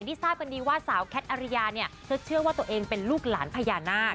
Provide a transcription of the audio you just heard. ทราบกันดีว่าสาวแคทอริยาเนี่ยเธอเชื่อว่าตัวเองเป็นลูกหลานพญานาค